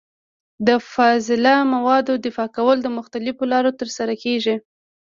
د فاضله موادو دفع کول په مختلفو لارو ترسره کېږي.